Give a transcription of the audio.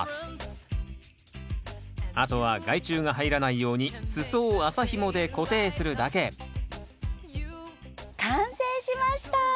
あとは害虫が入らないように裾を麻ひもで固定するだけ完成しました。